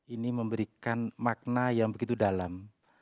ini memberikan makna yang begitu dalam